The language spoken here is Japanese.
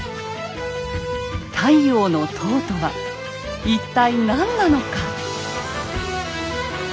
太陽の塔とは一体何なのか。